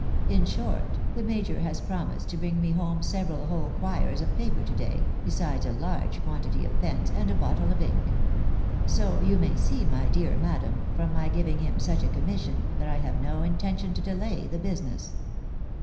In short, the major has pro mised to bring me home several whole quires of paper to day, besides a large quantity of pens, and a bottle of ink. So you may see, my dear madam, from my giving him such a commission, that I have no intention to delay the business.